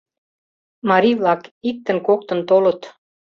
Марий-влак иктын-коктын толыт.